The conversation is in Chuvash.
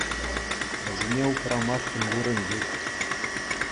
Вӗсене упрамашкӑн вырӑн ҫук.